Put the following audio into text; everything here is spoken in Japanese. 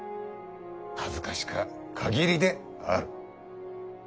恥ずかしか限りである。